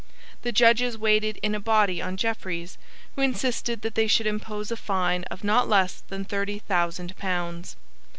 The judges waited in a body on Jeffreys, who insisted that they should impose a fine of not less than thirty thousand pounds.